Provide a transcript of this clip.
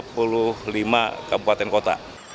ke tiga puluh lima kabupaten kota